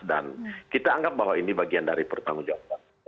dan kita anggap bahwa ini bagian dari pertanggung jawab